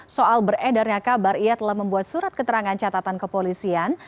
soal beredarnya kabar ia telah membuat surat keterangan catatan kepolisian